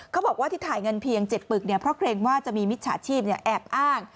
เขาบอกว่าที่ถ่ายเงินเพียง๗ปึกเพราะเกรงว่าจะมีมิจฉาชีพแอบอ้าง